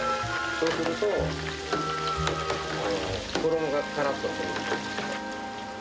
そうすると、衣がからっとする。